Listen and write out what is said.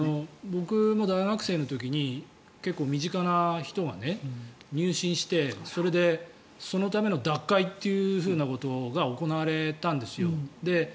僕も大学生の時に結構、身近な人が入信して、それでそのための脱会というふうなことが行われたんですよ。